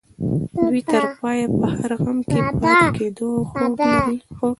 دوی تر پايه په هر غم کې د پاتې کېدو هوډ کوي.